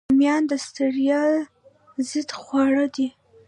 رومیان د ستړیا ضد خواړه دي